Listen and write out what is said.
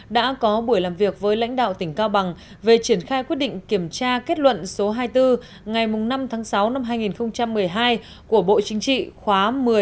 đã có buổi làm việc với lãnh đạo tỉnh cao bằng về triển khai quyết định kiểm tra kết luận số hai mươi bốn ngày năm tháng sáu năm hai nghìn một mươi hai của bộ chính trị khóa một mươi